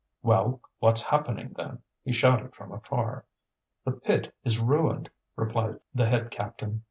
"Well! what's happening, then?" he shouted from afar. "The pit is ruined," replied the head captain.